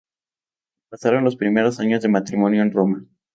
Pasaron los primeros años de matrimonio en Roma.